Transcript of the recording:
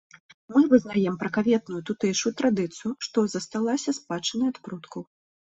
Мы вызнаем пракаветную тутэйшую традыцыю, што засталася спадчынай ад продкаў.